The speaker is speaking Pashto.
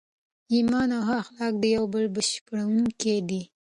ایمان او ښه اخلاق د یو بل بشپړونکي دي.